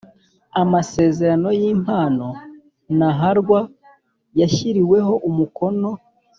Amasezerano y impano n h rw yashyiriweho umukono